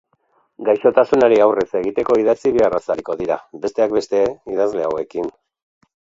Gaixotasunari aurre egiteko idatzi beharraz ariko dira, besteak beste, idazle hauekin.